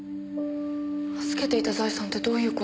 預けていた財産ってどういう事？